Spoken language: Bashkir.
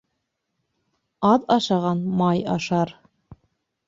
Аҙ ашаған май ашар